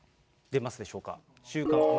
出ますでしょうか。